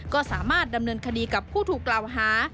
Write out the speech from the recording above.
ก็สามารถดำเนินคดีกับผู้ถูกกล่าวหา